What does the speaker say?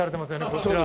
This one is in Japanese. こちら。